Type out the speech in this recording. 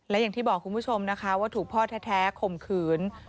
และอย่างที่บอกคุณผู้ชมนะคะว่าถูกพ่อแท้ข่มขืน